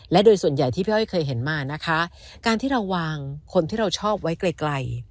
และโดยส่วนใหญ่ที่พี่อ้อยเคยเห็นมานะคะการที่เราวางคนที่เราชอบไว้ไกล